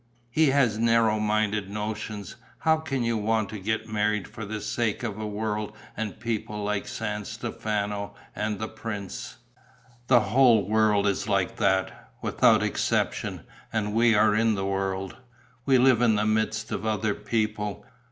"He has narrow minded notions: how can you want to get married for the sake of a world and people like San Stefano and the prince?" "The whole world is like that, without exception, and we are in the world. We live in the midst of other people.